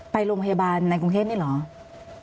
ไปโรงพยาบาลในกรุงเทพนี่เหรอ